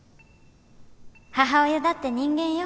母親だって人間よ